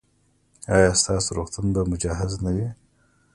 ایا ستاسو روغتون به مجهز نه وي؟